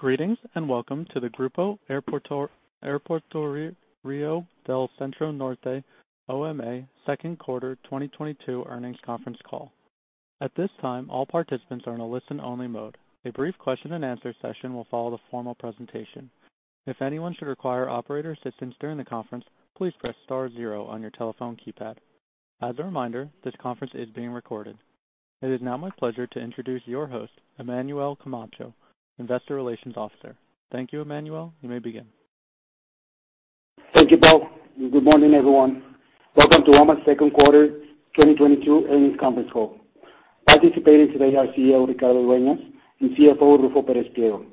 Greetings, welcome to the Grupo Aeroportuario del Centro Norte, OMA, second quarter 2022 earnings conference call. At this time, all participants are in a listen-only mode. A brief question and answer session will follow the formal presentation. If anyone should require operator assistance during the conference, please press star zero on your telephone keypad. As a reminder, this conference is being recorded. It is now my pleasure to introduce your host, Emmanuel Camacho, Investor Relations Officer. Thank you, Emmanuel. You may begin. Thank you, Paul. Good morning, everyone. Welcome to OMA's second quarter 2022 earnings conference call. Participating today are CEO Ricardo Dueñas and CFO Ruffo Pérez Pliego.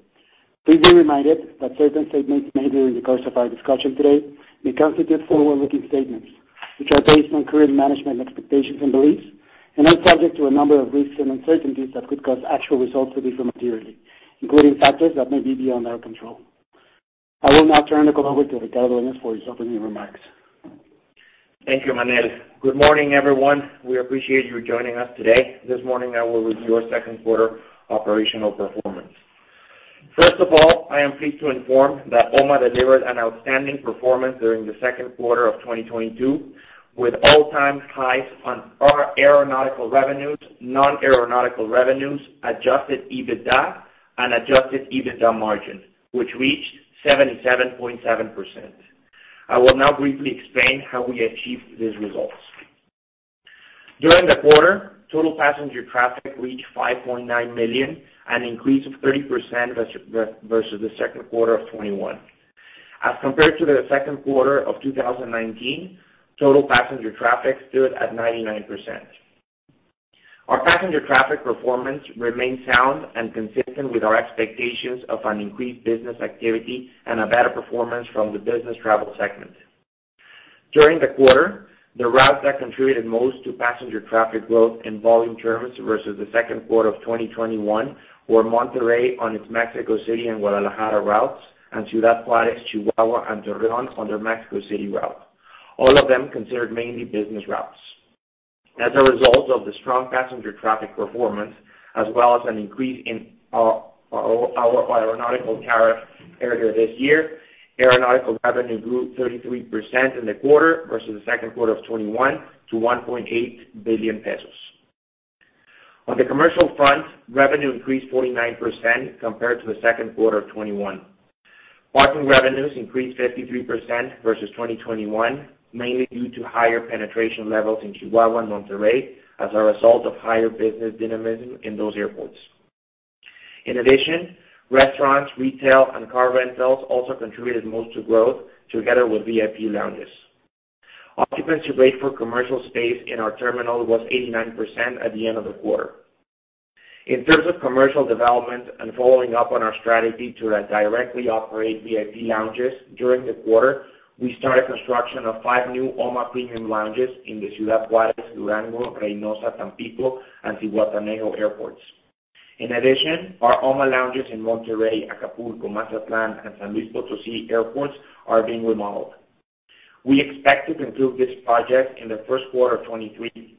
Please be reminded that certain statements made during the course of our discussion today may constitute forward-looking statements, which are based on current management expectations and beliefs and are subject to a number of risks and uncertainties that could cause actual results to differ materially, including factors that may be beyond our control. I will now turn the call over to Ricardo Dueñas for his opening remarks. Thank you, Emmanuel. Good morning, everyone. We appreciate you joining us today. This morning, I will review our second quarter operational performance. First of all, I am pleased to inform that OMA delivered an outstanding performance during the second quarter of 2022, with all-time highs on our aeronautical revenues, non-aeronautical revenues, adjusted EBITDA, and adjusted EBITDA margin, which reached 77.7%. I will now briefly explain how we achieved these results. During the quarter, total passenger traffic reached 5.9 million, an increase of 30% versus the second quarter of 2021. As compared to the second quarter of 2019, total passenger traffic stood at 99%. Our passenger traffic performance remained sound and consistent with our expectations of an increased business activity and a better performance from the business travel segment. During the quarter, the routes that contributed most to passenger traffic growth in volume terms versus the second quarter of 2021 were Monterrey on its Mexico City and Guadalajara routes, and Ciudad Juárez, Chihuahua, and Durango on their Mexico City route, all of them considered mainly business routes. As a result of the strong passenger traffic performance, as well as an increase in our aeronautical tariff earlier this year, aeronautical revenue grew 33% in the quarter versus the second quarter of 2021 to MXN 1.8 billion. On the commercial front, revenue increased 49% compared to the second quarter of 2021. Parking revenues increased 53% versus 2021, mainly due to higher penetration levels in Chihuahua and Monterrey as a result of higher business dynamism in those airports. In addition, restaurants, retail, and car rentals also contributed most to growth, together with VIP lounges. Occupancy rate for commercial space in our terminal was 89% at the end of the quarter. In terms of commercial development and following up on our strategy to directly operate VIP lounges, during the quarter, we started construction of five new OMA Premium Lounges in the Ciudad Juárez, Durango, Reynosa, Tampico, and Zacatecas airports. In addition, our OMA lounges in Monterrey, Acapulco, Mazatlán, and San Luis Potosí airports are being remodeled. We expect to conclude this project in the first quarter of 2023.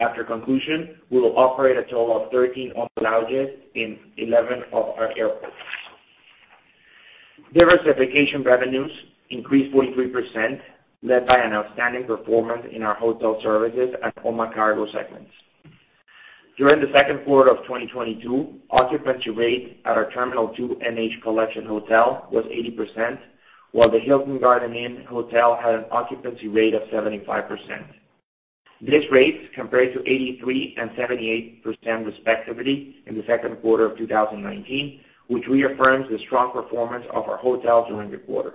After conclusion, we will operate a total of 13 OMA lounges in 11 of our airports. Diversification revenues increased 43%, led by an outstanding performance in our hotel services at OMA Carga segments. During the second quarter of 2022, occupancy rate at our Terminal two NH Collection hotel was 80%, while the Hilton Garden Inn hotel had an occupancy rate of 75%. These rates compared to 83% and 78% respectively in the second quarter of 2019, which reaffirms the strong performance of our hotel during the quarter.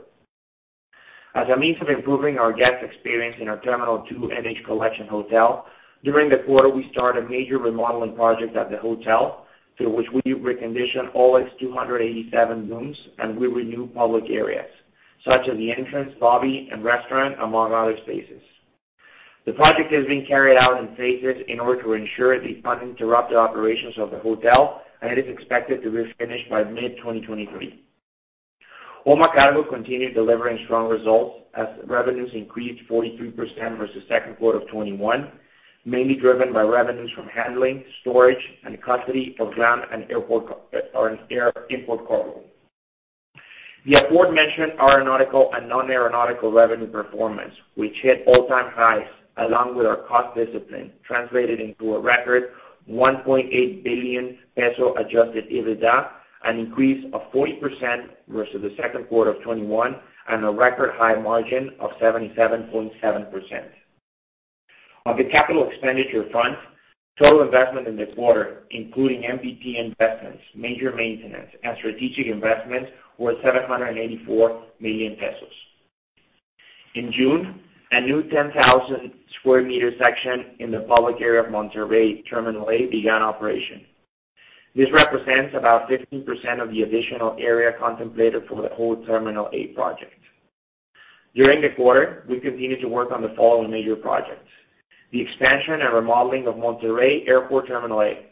As a means of improving our guest experience in our Terminal two NH Collection hotel, during the quarter, we started a major remodeling project at the hotel, through which we reconditioned all its 287 rooms and we renew public areas, such as the entrance, lobby, and restaurant, among other spaces. The project is being carried out in phases in order to ensure the uninterrupted operations of the hotel, and it is expected to be finished by mid-2023. OMA Carga continued delivering strong results as revenues increased 43% versus second quarter of 2021, mainly driven by revenues from handling, storage, and custody of ground and airport cargo, or air import cargo. The aforementioned aeronautical and non-aeronautical revenue performance, which hit all-time highs, along with our cost discipline, translated into a record 1.8 billion peso adjusted EBITDA, an increase of 40% versus the second quarter of 2021, and a record high margin of 77.7%. On the capital expenditure front, total investment in the quarter, including MDP investments, major maintenance, and strategic investments, were 784 million pesos. In June, a new 10,000 square meter section in the public area of Monterrey Terminal A began operation. This represents about 15% of the additional area contemplated for the whole Terminal A project. During the quarter, we continued to work on the following major projects, the expansion and remodeling of Monterrey Airport Terminal A,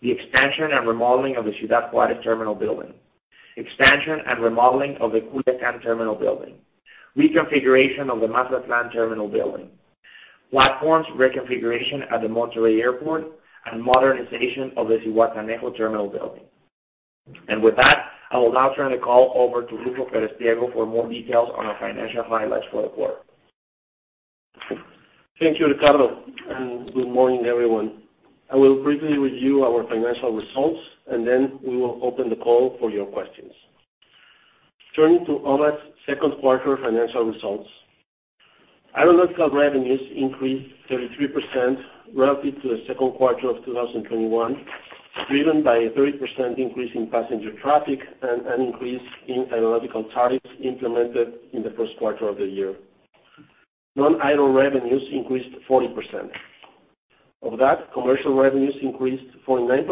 the expansion and remodeling of the Ciudad Juárez terminal building, expansion and remodeling of the Culiacán terminal building, reconfiguration of the Mazatlán terminal building, platforms reconfiguration at the Monterrey Airport and modernization of the Zihuatanejo terminal building. With that, I will now turn the call over to Ruffo Pérez Pliego for more details on our financial highlights for the quarter. Thank you, Ricardo. Good morning, everyone. I will briefly review our financial results, and then we will open the call for your questions. Turning to OMA's second quarter financial results. Aeronautical revenues increased 33% relative to the second quarter of 2021, driven by a 30% increase in passenger traffic and an increase in aeronautical tariffs implemented in the first quarter of the year. Non-aero revenues increased 40%. Of that, commercial revenues increased 49%,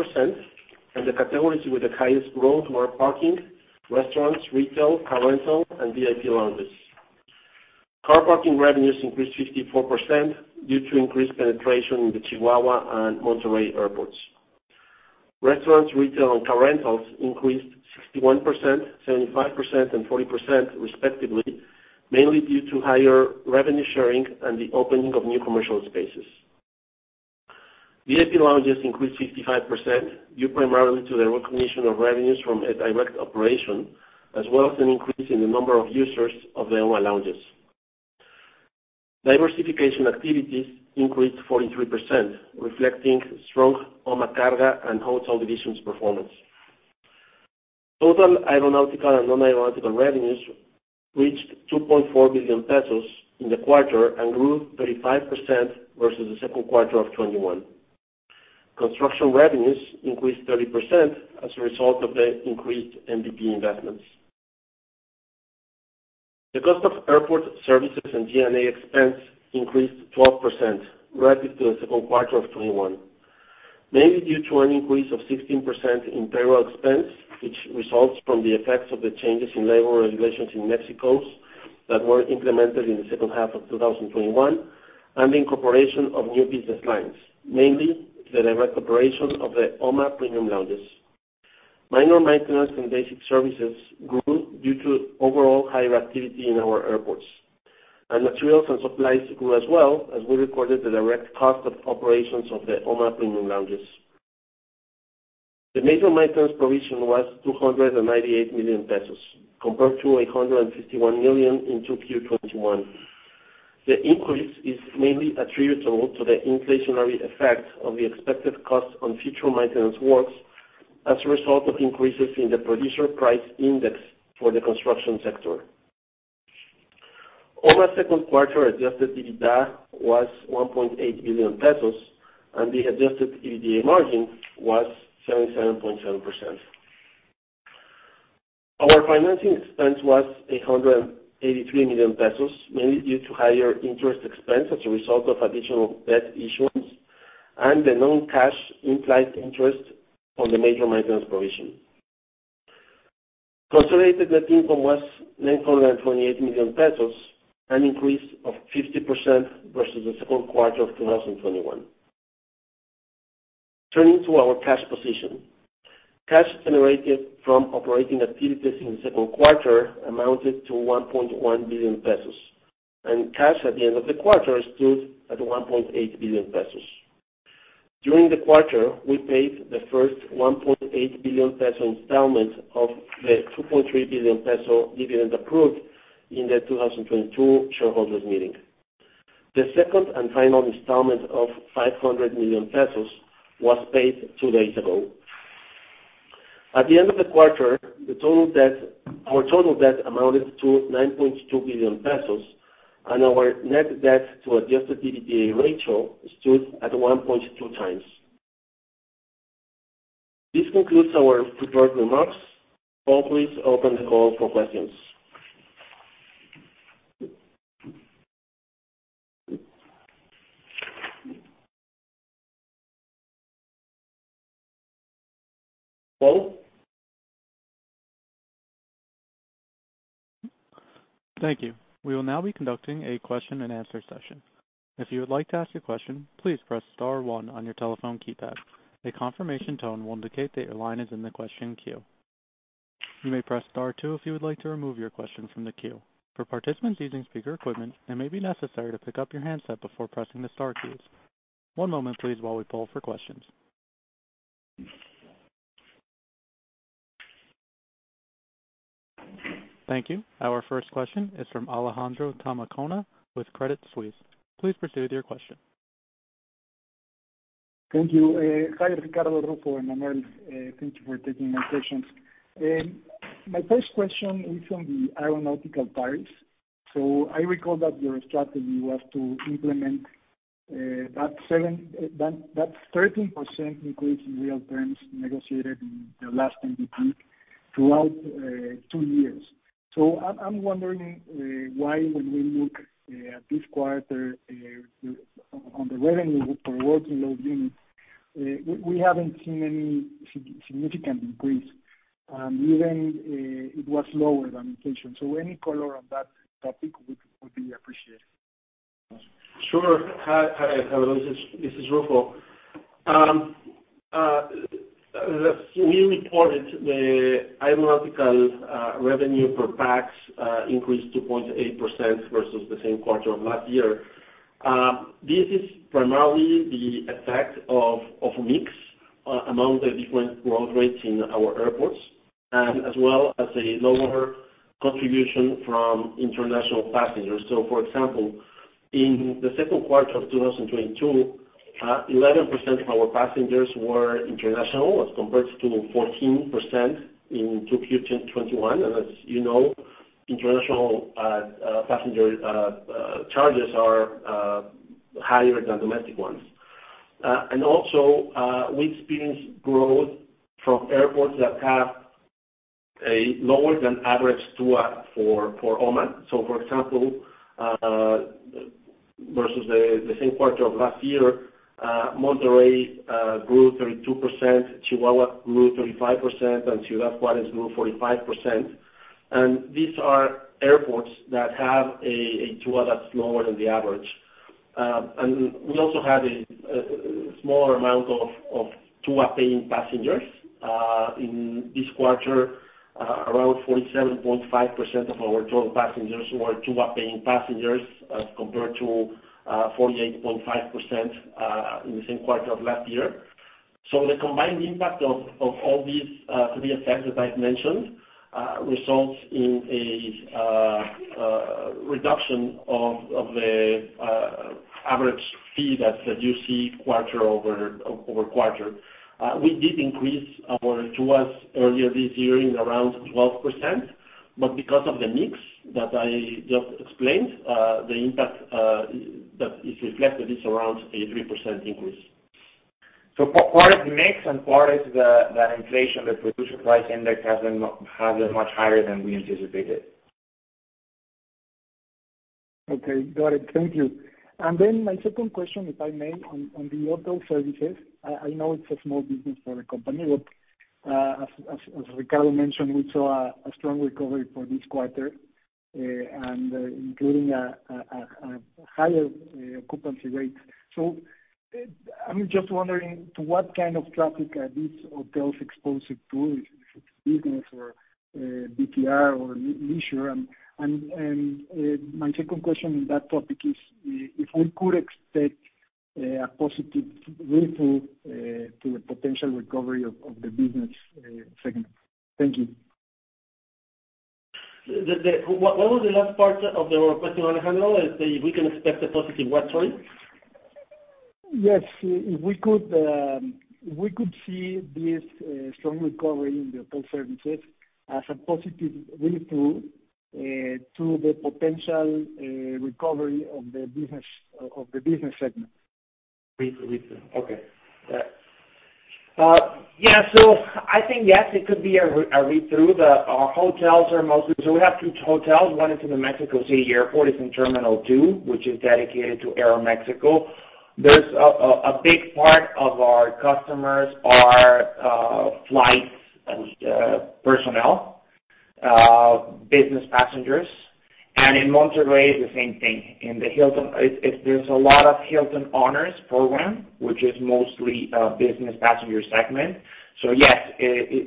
and the categories with the highest growth were parking, restaurants, retail, car rental, and VIP lounges. Car parking revenues increased 54% due to increased penetration in the Chihuahua and Monterrey airports. Restaurants, retail, and car rentals increased 61%, 75%, and 40% respectively, mainly due to higher revenue sharing and the opening of new commercial spaces. VIP lounges increased 55%, due primarily to the recognition of revenues from a direct operation, as well as an increase in the number of users of the OMA lounges. Diversification activities increased 43%, reflecting strong OMA Carga and hotel divisions performance. Total aeronautical and non-aeronautical revenues reached 2.4 billion pesos in the quarter and grew 35% versus the second quarter of 2021. Construction revenues increased 30% as a result of the increased MBP investments. The cost of airport services and G&A expense increased 12% relative to the second quarter of 2021, mainly due to an increase of 16% in payroll expense, which results from the effects of the changes in labor regulations in Mexico that were implemented in the second half of 2021, and the incorporation of new business lines, mainly the direct operation of the OMA Premium Lounge. Minor maintenance and basic services grew due to overall higher activity in our airports. Materials and supplies grew as well as we recorded the direct cost of operations of the OMA Premium Lounge. The major maintenance provision was 298 million pesos, compared to 151 million in 2Q 2021. The increase is mainly attributable to the inflationary effect of the expected cost on future maintenance works as a result of increases in the Producer Price Index for the construction sector. OMA second quarter adjusted EBITDA was 1.8 billion pesos, and the adjusted EBITDA margin was 77.7%. Our financing expense was 183 million pesos, mainly due to higher interest expense as a result of additional debt issuance and the non-cash implied interest on the major maintenance provision. Consolidated net income was 928 million pesos, an increase of 50% versus the second quarter of 2021. Turning to our cash position. Cash generated from operating activities in the second quarter amounted to 1.1 billion pesos, and cash at the end of the quarter stood at 1.8 billion pesos. During the quarter, we paid the first 1.8 billion peso installment of the 2.3 billion peso dividend approved in the 2022 shareholders meeting. The second and final installment of 500 million pesos was paid two days ago. At the end of the quarter, our total debt amounted to 9.2 billion pesos, and our net debt to adjusted EBITDA ratio stood at 1.2 times. This concludes our prepared remarks. Paul, please open the call for questions. Paul? Thank you. We will now be conducting a question and answer session. If you would like to ask a question, please press star one on your telephone keypad. A confirmation tone will indicate that your line is in the question queue. You may press star two if you would like to remove your question from the queue. For participants using speaker equipment, it may be necessary to pick up your handset before pressing the star keys. One moment please while we poll for questions. Thank you. Our first question is from Alejandro Zamacona with Credit Suisse. Please proceed with your question. Thank you. Hi, Ricardo, Ruffo, and Emmanuel. Thank you for taking my questions. My first question is on the aeronautical tariffs. I recall that your strategy was to implement that 13% increase in real terms negotiated in the last MDP throughout two years. I'm wondering why when we look at this quarter on the revenue per workload units we haven't seen any significant increase. Even, it was lower than inflation. Any color on that topic would be appreciated. Sure. Hi. Hi, Alejandro. This is Ruffo. As we reported, the aeronautical revenue per pax increased 2.8% versus the same quarter of last year. This is primarily the effect of mix among the different growth rates in our airports, as well as a lower contribution from international passengers. For example, in the second quarter of 2022, 11% of our passengers were international as compared to 14% in 2021. As you know, international passenger charges are higher than domestic ones. Also, we experienced growth from airports that have a lower than average TUA for OMA. For example, versus the same quarter of last year, Monterrey grew 32%, Chihuahua grew 35%, and Tijuana grew 45%. These are airports that have a TUA that's lower than the average. We also had a smaller amount of TUA paying passengers. In this quarter, around 47.5% of our total passengers were TUA paying passengers, as compared to 48.5% in the same quarter of last year. The combined impact of all these three effects that I've mentioned results in a reduction of the average fee that you see quarter-over-quarter. We did increase our TUAs earlier this year by around 12%, but because of the mix that I just explained, the impact that is reflected is around a 3% increase. Part of the mix and part is the inflation, the Producer Price Index has been much higher than we anticipated. Okay. Got it. Thank you. My second question, if I may, on the hotel services. I know it's a small business for the company, but as Ricardo mentioned, we saw a higher occupancy rates. I'm just wondering, to what kind of traffic are these hotels exposed to, if it's business or VFR or leisure? My second question on that topic is, if we could expect a positive read-through to the potential recovery of the business segment. Thank you. What was the last part of the question, Alejandro? Say, we can expect a positive what, sorry? Yes. If we could see this strong recovery in the hotel services as a positive read-through to the potential recovery of the business segment. Read-through. Okay. Yeah. I think, yes, it could be a read-through. Our hotels are mostly. We have two hotels. One is in the Mexico City International Airport. It's in Terminal two, which is dedicated to Aeroméxico. There's a big part of our customers are flight personnel, business passengers. In Monterrey, the same thing. In the Hilton, it's there is a lot of Hilton Honors program, which is mostly a business passenger segment. Yes,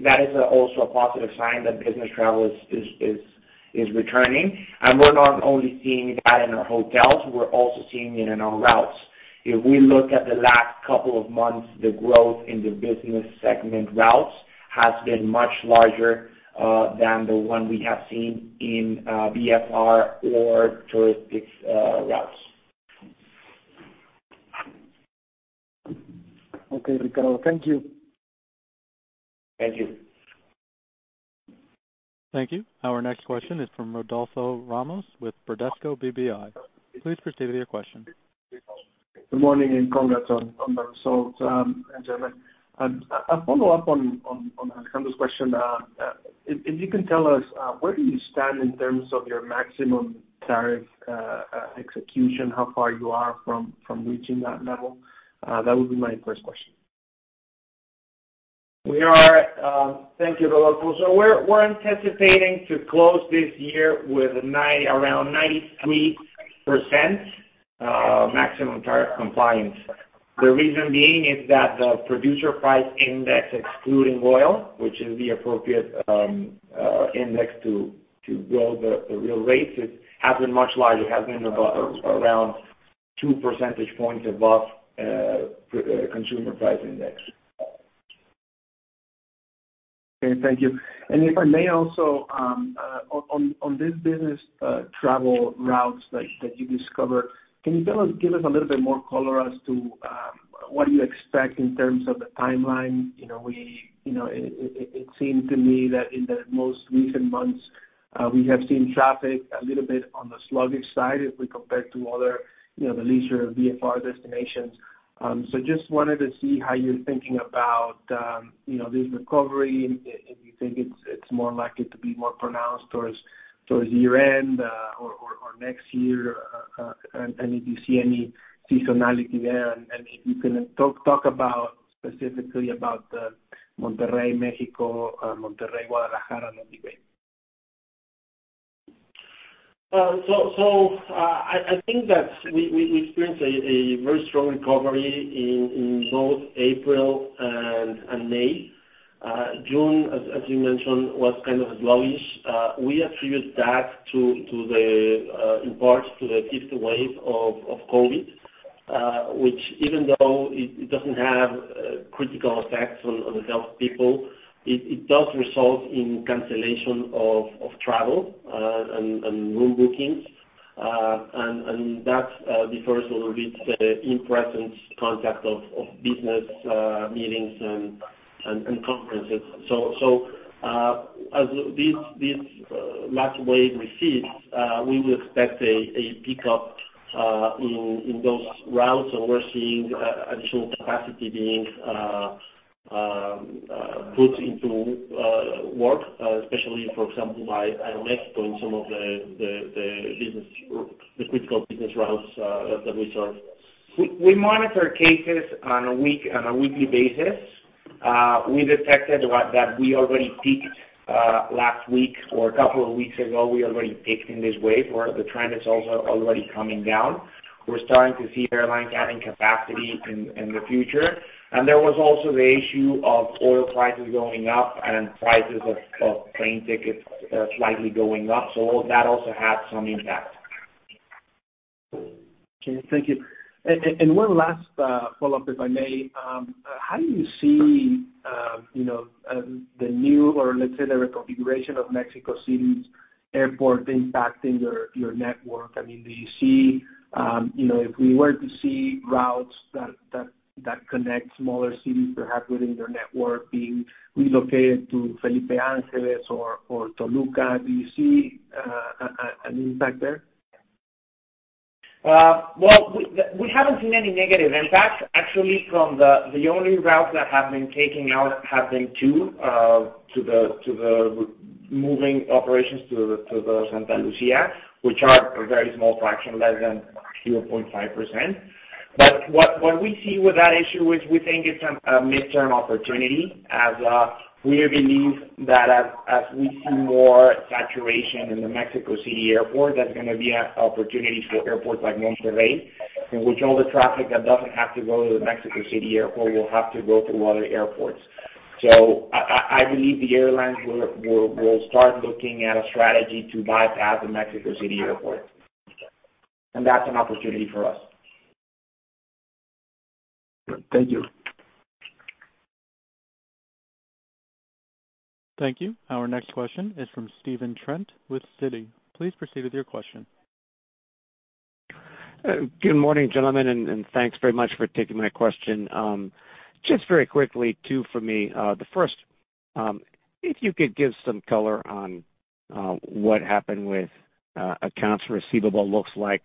that is also a positive sign that business travel is returning. We're not only seeing that in our hotels, we're also seeing it in our routes. If we look at the last couple of months, the growth in the business segment routes has been much larger than the one we have seen in VFR or touristic routes. Okay, Ricardo. Thank you. Thank you. Thank you. Our next question is from Rodolfo Ramos with Bradesco BBI. Please proceed with your question. Good morning, congrats on the results, gentlemen. A follow-up on Alejandro's question. If you can tell us where do you stand in terms of your maximum tariff execution? How far you are from reaching that level? That would be my first question. Thank you, Rodolfo. We're anticipating to close this year with around 93% maximum tariff compliance. The reason being is that the Producer Price Index, excluding oil, which is the appropriate index to grow the real rates, it has been much larger, has been above around 2 percentage points above Consumer Price Index. Okay. Thank you. If I may also, on this business travel routes that you discover, can you give us a little bit more color as to what do you expect in terms of the timeline? You know, it seems to me that in the most recent months, we have seen traffic a little bit on the sluggish side if we compare to other, you know, the leisure VFR destinations. So just wanted to see how you're thinking about, you know, this recovery, if you think it's more likely to be more pronounced towards year-end, or next year, and if you see any seasonality there. If you can talk specifically about Monterrey, Mexico, Guadalajara, and Saltillo. I think that we experienced a very strong recovery in both April and May. June, as you mentioned, was kind of low-ish. We attribute that in part to the fifth wave of COVID, which even though it doesn't have critical effects on the health of people, it does result in cancellation of travel and room bookings. That defers a little bit the in-person contact of business meetings and conferences. As this last wave recedes, we would expect a pickup in those routes, and we're seeing additional capacity being put to work, especially, for example, by Aeroméxico and some of the business or the critical business routes that we serve. We monitor cases on a weekly basis. We detected that we already peaked last week or a couple of weeks ago. We already peaked in this wave, or the trend is also already coming down. We're starting to see airlines adding capacity in the future. There was also the issue of oil prices going up and prices of plane tickets slightly going up. That also had some impact. Okay. Thank you. One last follow-up, if I may. How do you see the new or let's say the reconfiguration of Mexico City's airport impacting your network? I mean, do you see you know, if we were to see routes that connect smaller cities, perhaps within your network, being relocated to Felipe Ángeles or Toluca, do you see an impact there? Well, we haven't seen any negative impact. Actually, the only routes that have been taken out have been moving operations to Santa Lucía, which are a very small fraction, less than 0.5%. What we see with that issue is we think it's a midterm opportunity as we believe that as we see more saturation in the Mexico City airport, that's gonna be a opportunity for airports like Monterrey, in which all the traffic that doesn't have to go to the Mexico City airport will have to go through other airports. I believe the airlines will start looking at a strategy to bypass the Mexico City airport. That's an opportunity for us. Thank you. Thank you. Our next question is from Stephen Trent with Citi. Please proceed with your question. Good morning, gentlemen, and thanks very much for taking my question. Just very quickly, two for me. The first, if you could give some color on what happened with accounts receivable. Looks like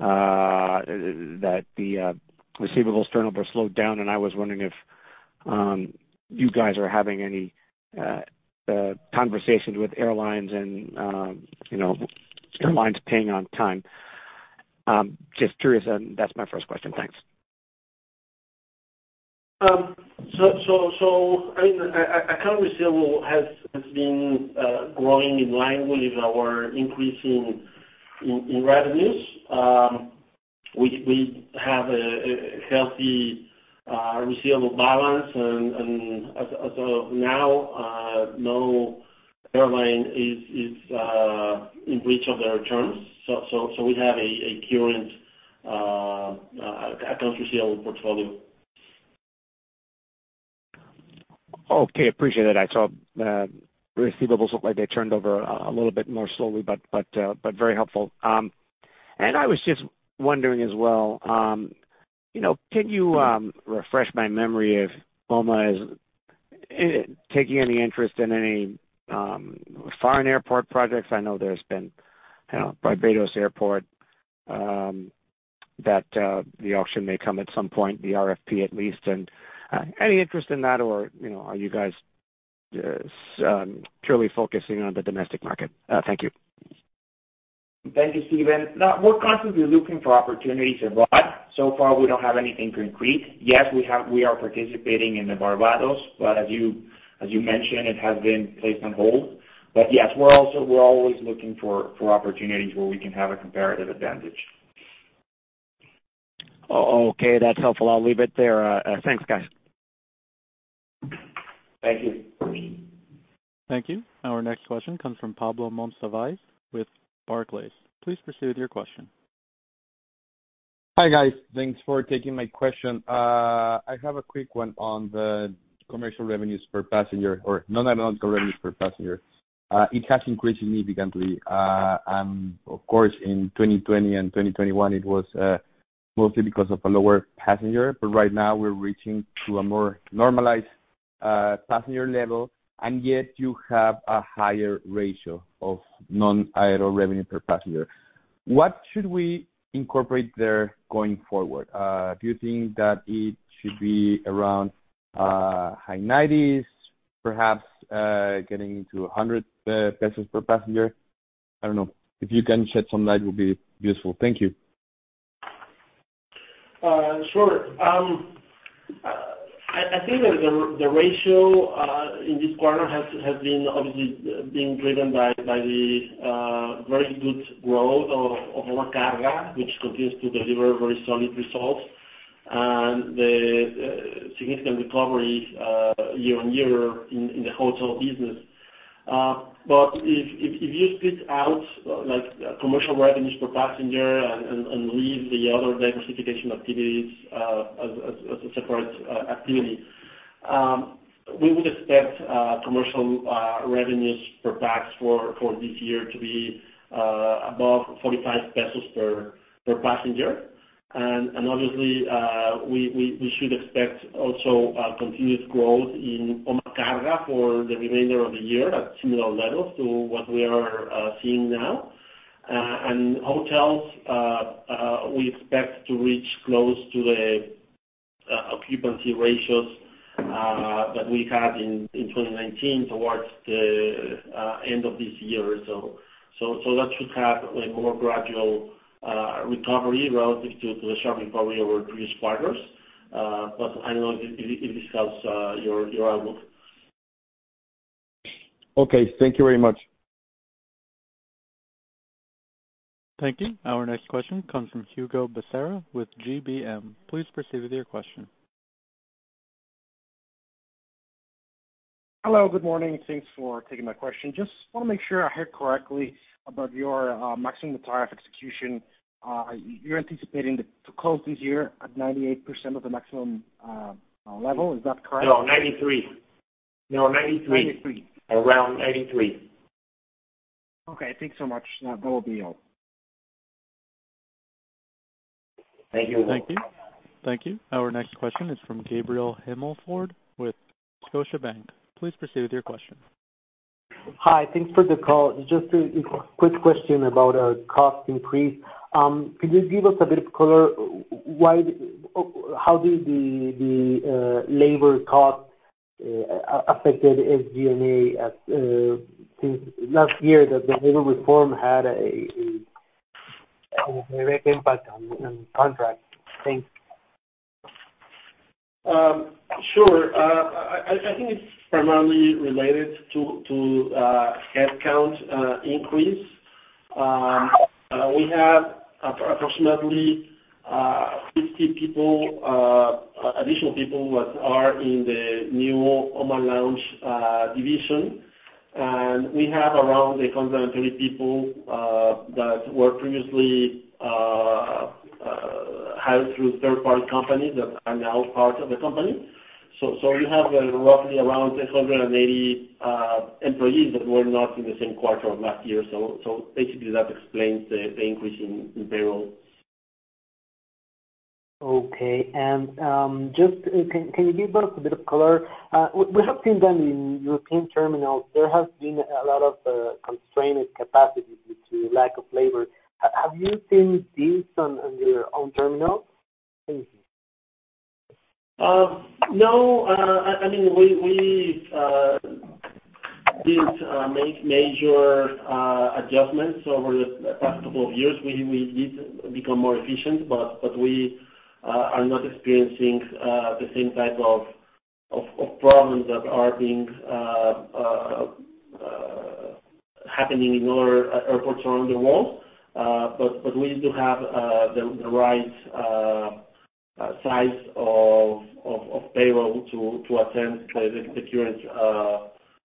that the receivables turnover slowed down, and I was wondering if you guys are having any conversations with airlines and you know, airlines paying on time. Just curious, and that's my first question. Thanks. I mean, accounts receivable has been growing in line with our increase in revenues. We have a healthy receivable balance and as of now, no airline is in breach of their terms. We have a current accounts receivable portfolio. Okay. Appreciate it. I saw, receivables looked like they turned over a little bit more slowly, but very helpful. I was just wondering as well, you know, can you refresh my memory if OMA is taking any interest in any foreign airport projects? I know there's been, you know, Barbados Airport that the auction may come at some point, the RFP at least. Any interest in that or, you know, are you guys just purely focusing on the domestic market? Thank you. Thank you, Stephen. Now, we're constantly looking for opportunities abroad. So far we don't have anything concrete. Yes, we are participating in the Barbados, but as you mentioned, it has been placed on hold. Yes, we're always looking for opportunities where we can have a comparative advantage. Okay, that's helpful. I'll leave it there. Thanks, guys. Thank you. Thank you. Our next question comes from Pablo Monsivais with Barclays. Please proceed with your question. Hi, guys. Thanks for taking my question. I have a quick one on the commercial revenues per passenger or non-aeronautical revenues per passenger. It has increased significantly. Of course, in 2020 and 2021 it was mostly because of a lower passenger, but right now we're reaching to a more normalized passenger level, and yet you have a higher ratio of non-aero revenue per passenger. What should we incorporate there going forward? Do you think that it should be around high 90s, perhaps, getting to a 100 pesos per passenger? I don't know. If you can shed some light, it would be useful. Thank you. Sure. I think that the ratio in this quarter has been obviously being driven by the very good growth of OMA Carga, which continues to deliver very solid results. The significant recoveries year-on-year in the hotel business. If you split out like commercial revenues per passenger and leave the other diversification activities as a separate activity, we would expect commercial revenues per pax for this year to be above 45 pesos per passenger. Obviously we should expect also continuous growth in OMA Carga for the remainder of the year at similar levels to what we are seeing now. Hotels, we expect to reach close to the occupancy ratios that we had in 2019 towards the end of this year or so. That should have, like, more gradual recovery relative to the sharp recovery over previous quarters. I don't know if this helps your outlook. Okay, thank you very much. Thank you. Our next question comes from Hugo Becerra with GBM. Please proceed with your question. Hello, good morning, and thanks for taking my question. Just wanna make sure I heard correctly about your maximum tariff execution. You're anticipating to close this year at 98% of the maximum level. Is that correct? No, 93%. No, 93%. 93%. Around 83%. Okay, thanks so much. That will be all. Thank you. Thank you. Thank you. Our next question is from Gabriel Himelfarb with Scotiabank. Please proceed with your question. Hi. Thanks for the call. Just a quick question about cost increase. Could you give us a bit of color on how the labor cost has affected SG&A since last year that the labor reform had a direct impact on contracts? Thanks. Sure. I think it's primarily related to headcount increase. We have approximately 50 additional people that are in the new OMA Lounge division. We have around 130 people that were previously hired through third party companies that are now part of the company. You have roughly around 180 employees that were not in the same quarter of last year. Basically that explains the increase in payroll. Okay. Just, can you give us a bit of color? We have seen that in European terminals there has been a lot of constrained capacity due to lack of labor. Have you seen this on your own terminal? Thank you. No. I mean, we did make major adjustments over the past couple of years. We did become more efficient, but we are not experiencing the same type of problems that are being happening in other airports around the world. But we do have the right size of payroll to attend to the current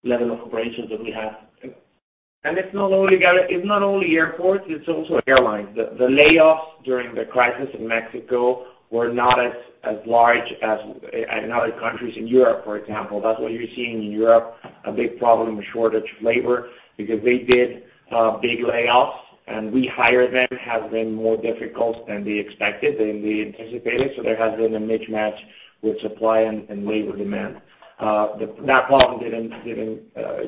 level of operations that we have. It's not only airports, it's also airlines. The layoffs during the crisis in Mexico were not as large as in other countries in Europe, for example. That's why you're seeing in Europe a big problem with shortage of labor because they did big layoffs, and rehire then has been more difficult than they expected, than they anticipated, so there has been a mismatch with supply and labor demand. That problem didn't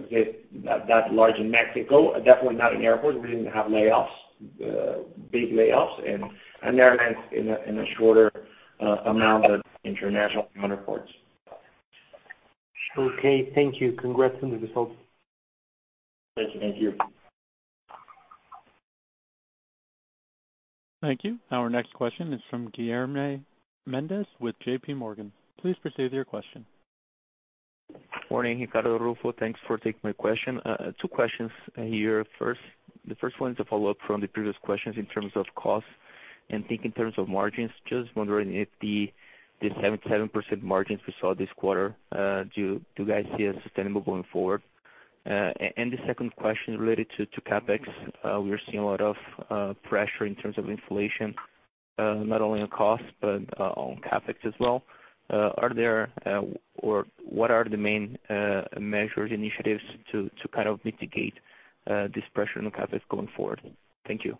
get that large in Mexico, definitely not in airports. We didn't have layoffs, big layoffs and airlines in a shorter amount of international airports. Okay, thank you. Congrats on the results. Nice to meet you. Thank you. Our next question is from Guilherme Mendes with JPMorgan. Please proceed with your question. Morning, Ricardo, Ruffo, thanks for taking my question. Two questions here. The first one is a follow-up from the previous questions in terms of costs and things in terms of margins. Just wondering if the 77% margins we saw this quarter, do you guys see as sustainable going forward? The second question related to CapEx. We're seeing a lot of pressure in terms of inflation, not only on costs but on CapEx as well. What are the main measures, initiatives to kind of mitigate this pressure on CapEx going forward? Thank you.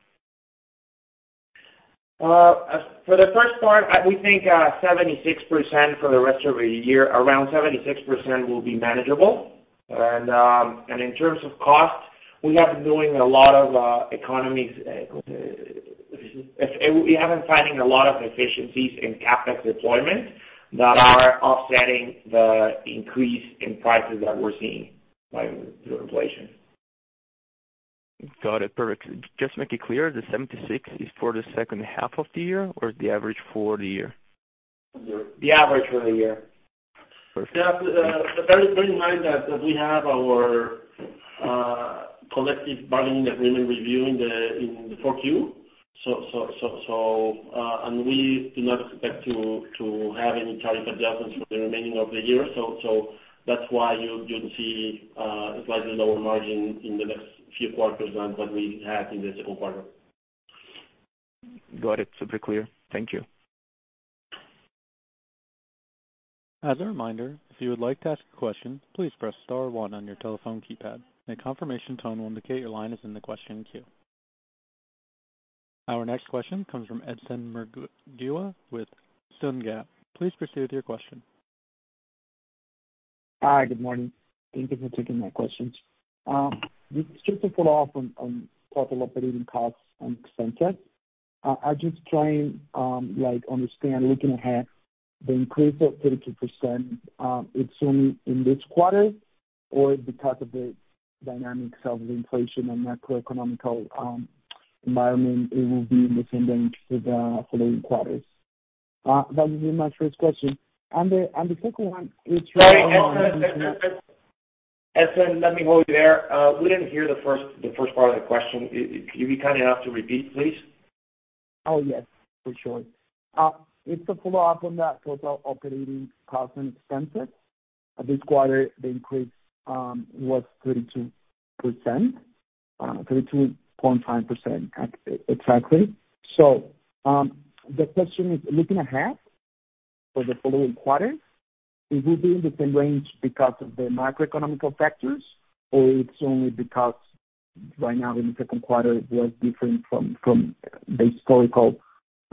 For the first part, we think 76% for the rest of the year, around 76% will be manageable. In terms of cost, we have been doing a lot of economies. We have been finding a lot of efficiencies in CapEx deployment that are offsetting the increase in prices that we're seeing by the inflation. Got it. Perfect. Just make it clear, the 76% is for the second half of the year or the average for the year? The average for the year. Perfect. Yeah. Bear in mind that we have our collective bargaining agreement review in the Q4. We do not expect to have any tariff adjustments for the remaining of the year. That's why you'll see a slightly lower margin in the next few quarters than what we had in the second quarter. Got it. Super clear. Thank you. As a reminder, if you would like to ask a question, please press star one on your telephone keypad. A confirmation tone will indicate your line is in the question queue. Our next question comes from Edson Murguia with SummaCap. Please proceed with your question. Hi. Good morning. Thank you for taking my questions. Just to follow up on total operating costs and expenses, I'm just trying, like, understand, looking ahead the increase of 32%, it's only in this quarter or because of the dynamics of inflation and macroeconomic environment, it will be in the same range for the following quarters? That would be my first question. The second one is- Sorry, Edson. Let me hold you there. We didn't hear the first part of the question. Can you be kind enough to repeat, please? Oh, yes, for sure. It's a follow-up on that total operating costs and expenses. This quarter, the increase was 32%, 32.5% exactly. The question is, looking ahead for the following quarters, it will be in the same range because of the macroeconomic factors or it's only because right now in the second quarter was different from the historical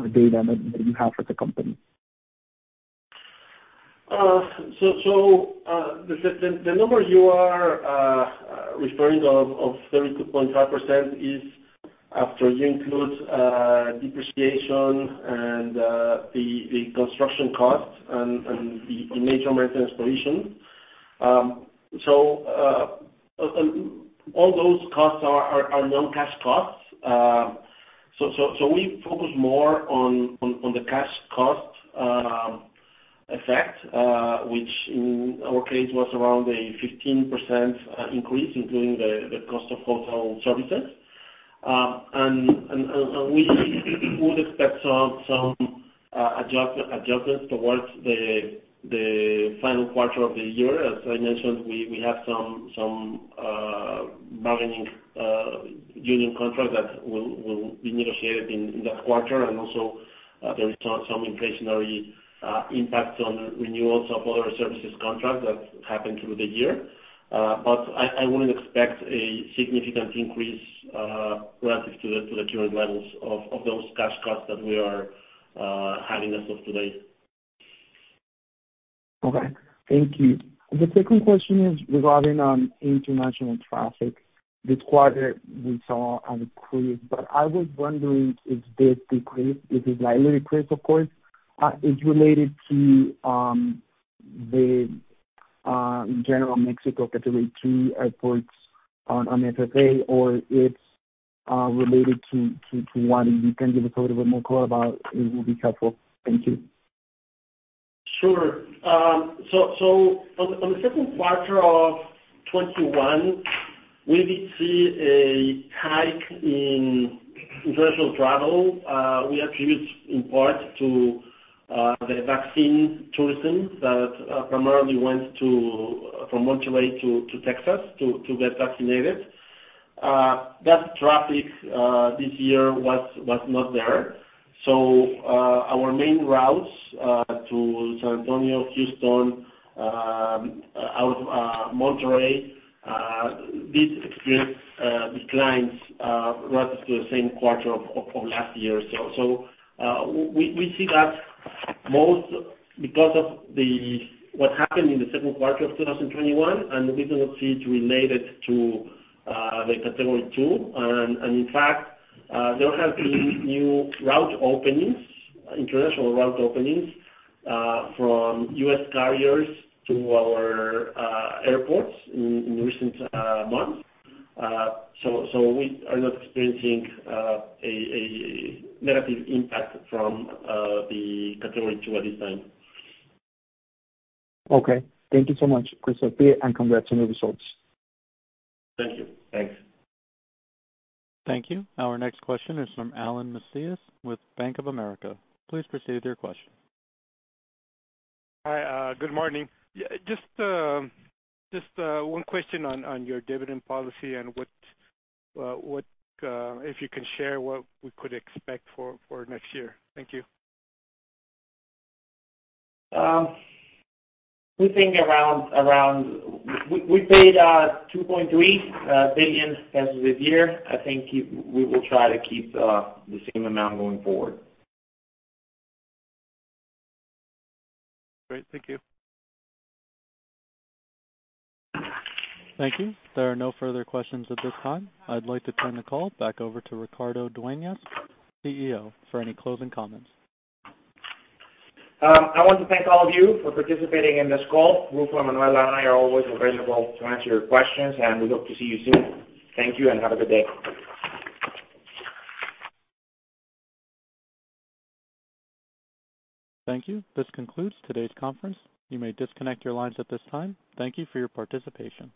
data that you have for the company? The number you are referring to 32.5% is after you include depreciation and the construction costs and the major maintenance provisions. All those costs are non-cash costs. We focus more on the cash cost effect, which in our case was around 15% increase, including the cost of hotel services. We would expect some adjustments towards the final quarter of the year. As I mentioned, we have some bargaining union contracts that will be negotiated in that quarter. Also, there is some inflationary impact on renewals of other services contracts that happen through the year. I wouldn't expect a significant increase relative to the current levels of those cash costs that we are having as of today. Okay. Thank you. The second question is regarding on international traffic. This quarter, we saw a decrease, but I was wondering if this decrease, it is likely decrease of course, is related to, the, general Mexico Category two airports on FAA or it's, related to one. If you can give us a little bit more color about, it will be helpful. Thank you. Sure. On the second quarter of 2021, we did see a hike in international travel. We attribute in part to the vaccine tourism that primarily went from Monterrey to Texas to get vaccinated. That traffic this year was not there. Our main routes to San Antonio, Houston, out of Monterrey, did experience declines relative to the same quarter of last year. We see that most because of what happened in the second quarter of 2021, and we do not see it related to the Category two. In fact, there have been new route openings, international route openings, from U.S. carriers to our airports in recent months. We are not experiencing a negative impact from the Category two at this time. Okay. Thank you so much. Grazie, and congrats on your results. Thank you. Thanks. Thank you. Our next question is from Alan Macías with Bank of America. Please proceed with your question. Hi. Good morning. Yeah, just one question on your dividend policy and what if you can share what we could expect for next year? Thank you. We think around we paid 2.3 billion pesos as of this year. I think we will try to keep the same amount going forward. Great. Thank you. Thank you. There are no further questions at this time. I'd like to turn the call back over to Ricardo Dueñas, CEO, for any closing comments. I want to thank all of you for participating in this call. Ruffo, Emmanuel, and I are always available to answer your questions, and we hope to see you soon. Thank you and have a good day. Thank you. This concludes today's conference. You may disconnect your lines at this time. Thank you for your participation.